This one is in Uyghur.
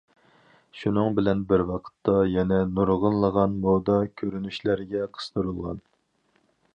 شۇنىڭ بىلەن بىر ۋاقىتتا يەنە نۇرغۇنلىغان مودا كۆرۈنۈشلەرگە قىستۇرۇلغان.